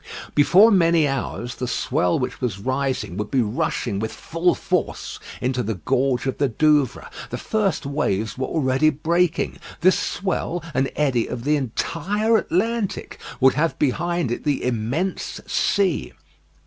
Before many hours, the swell which was rising would be rushing with full force into the gorge of the Douvres. The first waves were already breaking. This swell, and eddy of the entire Atlantic, would have behind it the immense sea.